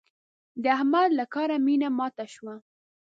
د احمد له کاره مينه ماته شوه.